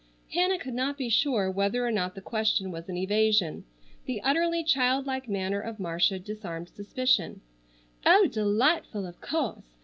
Hannah could not be sure whether or not the question was an evasion. The utterly child like manner of Marcia disarmed suspicion. "Oh, delightful, of course.